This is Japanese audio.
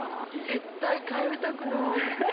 絶対通いたくない。